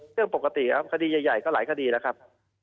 เรื่องปกติครับคดีใหญ่ก็หลายคดีแล้วครับ